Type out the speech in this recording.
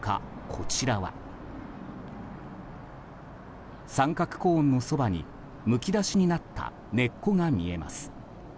こちらは三角コーンのそばにむき出しになった根っこが見えます。